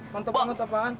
mantep banget apaan